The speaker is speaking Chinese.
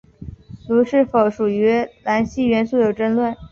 镥是否属于镧系元素有争论。